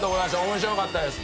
面白かったです。